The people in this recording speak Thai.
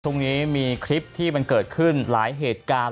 พรุ่งนี้มีคลิปที่มันเกิดขึ้นหลายเหตุการณ์